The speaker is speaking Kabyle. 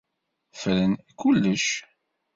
Fren kullec.